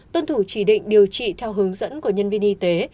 tuân thủ chỉ định điều trị theo hướng dẫn của nhân viên y tế